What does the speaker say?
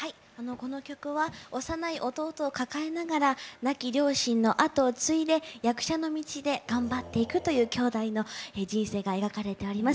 この曲は幼い弟を抱えながら亡き両親の後を継いで役者の道で頑張っていくという姉弟の人生が描かれております。